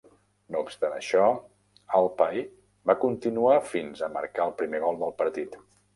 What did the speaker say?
No obstant això, Alpay va continuar fins a marcar el primer gol del partit.